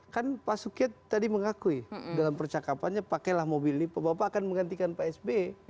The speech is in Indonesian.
kan pak sukyat tadi mengakui dalam percakapannya pakailah mobil ini bapak akan menggantikan pak sb